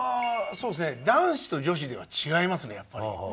男子と女子では違いますねやっぱり。